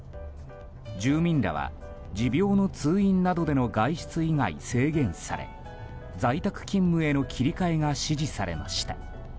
住民らは持病の通院などでの外出以外制限され在宅勤務への切り替えが指示されました。